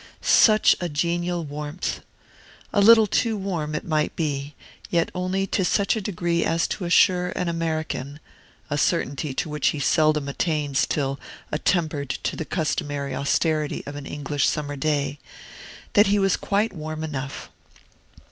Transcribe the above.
Such a genial warmth! A little too warm, it might be, yet only to such a degree as to assure an American (a certainty to which he seldom attains till attempered to the customary austerity of an English summer day) that he was quite warm enough.